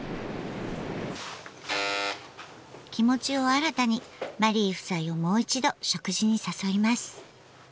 気持ちを新たにマリー夫妻をもう一度食事に誘います。